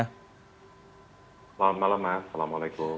selamat malam mas assalamualaikum